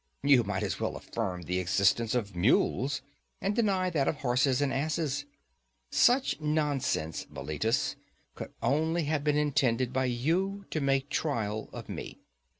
You might as well affirm the existence of mules, and deny that of horses and asses. Such nonsense, Meletus, could only have been intended by you to make trial of me.